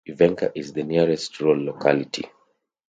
Ivenka is the nearest rural locality.